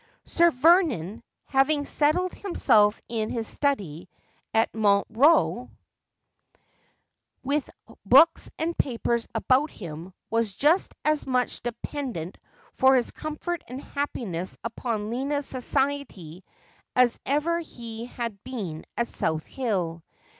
Sir Vernon, having settled himself in his study at Montreux, with books and papers about him, was just as much dependent for his comfort and happiiuss upon Lina's socieiy as ever ho had been at South Hill.